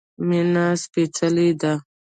مينه سپيڅلی ده